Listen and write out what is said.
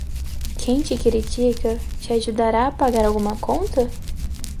Quem te critica, te ajudará a pagar alguma conta?